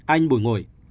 anh bủi ngồi